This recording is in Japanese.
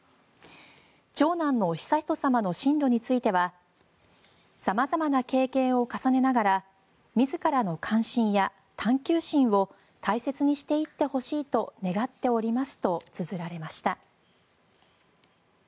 長男の悠仁さまの進路については様々な経験を重ねながら自らの関心や探求心を大切にしていってほしいと願っておりますとつづられました。